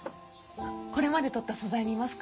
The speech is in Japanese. あっこれまで撮った素材見ますか？